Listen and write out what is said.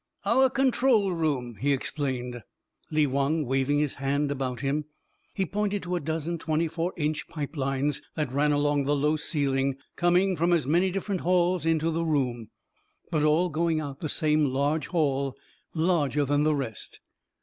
"Our control room," explained Lee Wong waving his hand about him. He pointed to a dozen twenty four inch pipe lines that ran along the low ceiling, coming from as many different halls into the room, but all going out the same large hall, larger than the rest.